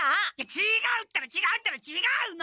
ちがうったらちがうったらちがうの！